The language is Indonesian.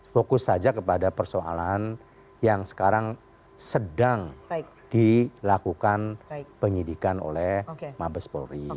fokus saja kepada persoalan yang sekarang sedang dilakukan penyidikan oleh mabes polri